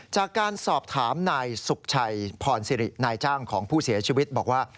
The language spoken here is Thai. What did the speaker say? จากการสอบถามนายสุขชัยพรสิรินายจ้างของผู้เสียชีวิตบอกว่า